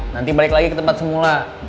nanti balik lagi ke tempat semula